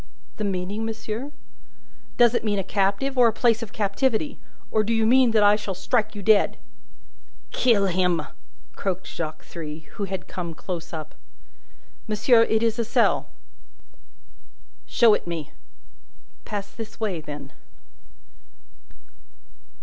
"The meaning, monsieur?" "Does it mean a captive, or a place of captivity? Or do you mean that I shall strike you dead?" "Kill him!" croaked Jacques Three, who had come close up. "Monsieur, it is a cell." "Show it me!" "Pass this way, then."